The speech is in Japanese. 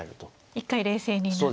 一回冷静になって。